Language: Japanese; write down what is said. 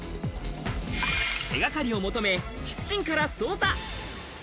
手掛かりを求め、キッチンから捜査。